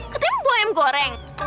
katanya buah yang goreng